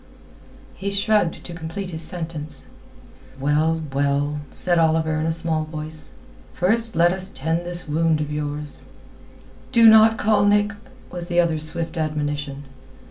He shrugged to complete his sentence. "Well, well," said Oliver in a small voice. "First let us tend this wound of yours." "Do not call Nick," was the other's swift admonition.